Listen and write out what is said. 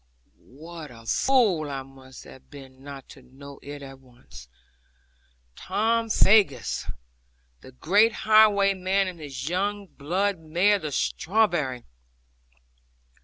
What a fool I must have been not to know it at once! Tom Faggus, the great highwayman, and his young blood mare, the strawberry!